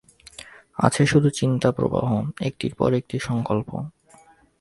আছে শুধু চিন্তাপ্রবাহ, একটির পর আর একটি সঙ্কল্প।